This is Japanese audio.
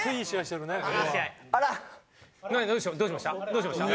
どうしました？